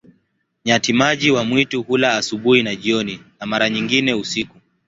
Nyati-maji wa mwitu hula asubuhi na jioni, na mara nyingine usiku.